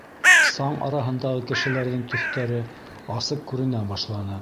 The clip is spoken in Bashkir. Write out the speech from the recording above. Саң араһындағы кешеләрҙең төҫтәре асыҡ күренә башланы.